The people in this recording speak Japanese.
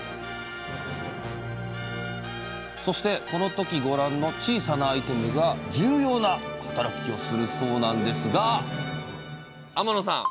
そしてこの時ご覧の小さなアイテムが重要な働きをするそうなんですが⁉天野さん！